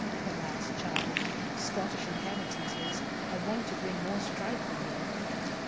"Alas, child! Scottish inheritances are wont to bring more strife than wealth."